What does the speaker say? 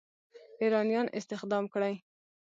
ایرانیان استخدام کړي.